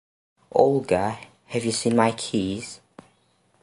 Olga, have you seen my keys?